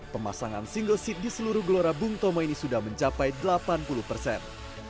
pemasangan single seat di seluruh gelora bung tomo ini sudah mencapai delapan puluh persen